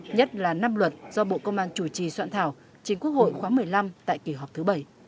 nhất là năm luật do bộ công an chủ trì soạn thảo chính quốc hội khóa một mươi năm tại kỳ họp thứ bảy